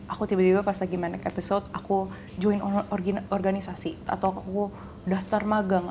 aku tiba tiba pas lagi main episode aku joint organisasi atau aku daftar magang